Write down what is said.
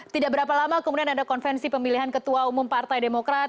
tidak berapa lama kemudian ada konvensi pemilihan ketua umum partai demokrat